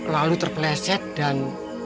lalu terpleset dan